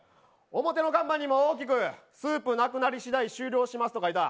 表の看板にも大きくスープなくなりしだい、終了しますと書いた。